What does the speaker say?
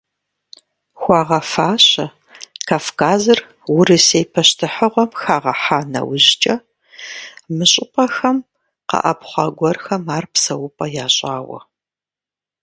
Хуагъэфащэ, Кавказыр Урысей пащтыхьыгъуэм хагъэхьа нэужькӀэ, мы щӀыпӀэхэм къэӀэпхъуа гуэрхэм ар псэупӀэ ящӀауэ.